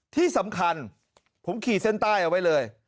ที่สำคัญผมขี่เส้นใต้เอาไว้เลย